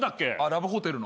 ラブホテルの。